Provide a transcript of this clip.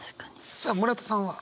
さあ村田さんは。